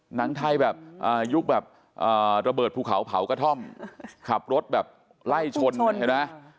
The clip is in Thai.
หนังไทยแบบยุคแบบระเบิดภูเขาเผากระท่อมขับรถแบบไล่ชนเห็นไหม